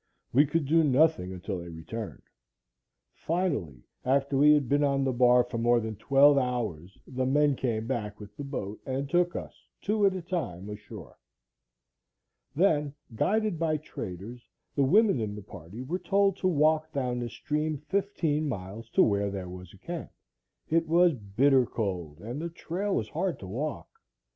We could do nothing until they returned. Finally, after we had been on the bar for more than twelve hours, the men came back with the boat and took us, two at a time, ashore. Then, guided by traders, the women in the party were told to walk down the stream fifteen miles to where there was a camp. It was bitter cold and the trail was hard to walk.